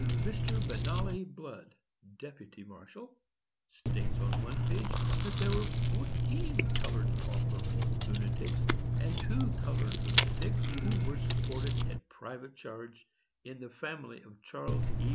"Mr. Benali Blood, deputy marshal, states, on one page, that there were fourteen colored pauper lunatics and two colored lunatics, who were supported at private charge, in the family of Charles E.